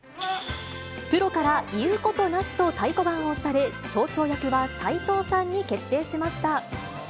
プロから言うことなしと太鼓判を押され、町長役は斉藤さんに決定しました。